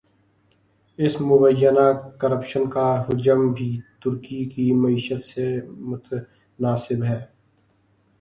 اس مبینہ کرپشن کا حجم بھی ترکی کی معیشت سے متناسب ہے۔